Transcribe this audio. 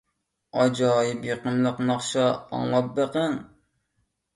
ئاجايىپ يېقىملىق ناخشا، ئاڭلاپ بېقىڭ!